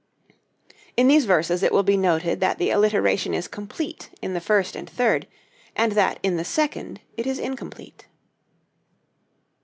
In these verses it will be noted that the alliteration is complete in the first and third, and that in the second it is incomplete.